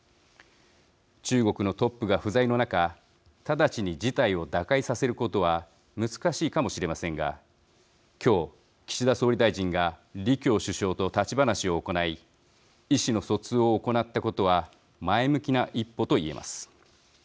中国のトップが不在の中直ちに事態を打開させることは難しいかもしれませんが今日、岸田総理大臣が李強首相と立ち話を行い意思の疎通を行ったことは前向きな一歩と言えます。